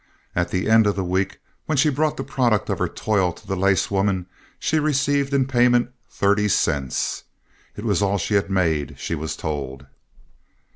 At the end of the week, when she brought the product of her toil to the lace woman, she received in payment thirty cents. It was all she had made, she was told.